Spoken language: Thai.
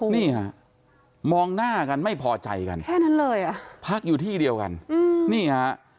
นี่ฮะมองหน้ากันไม่พอใจกันแค่นั้นเลยอ่ะพักอยู่ที่เดียวกันนี่ฮะ